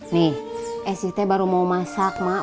nih esit baru mau masak mak